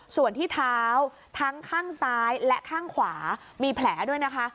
ส่วนที่เท้าทั้งข้างซ้ายและข้างขวามีแผลด้วยนะคะ